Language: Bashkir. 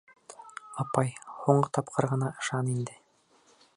— Апай, һуңғы тапҡыр ғына ышан инде!